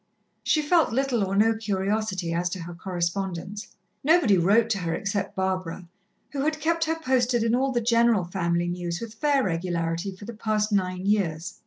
She felt little or no curiosity as to her correspondence. Nobody wrote to her except Barbara, who had kept her posted in all the general family news with fair regularity for the past nine years.